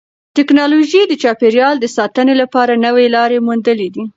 تکنالوژي د چاپیریال د ساتنې لپاره نوې لارې موندلې دي.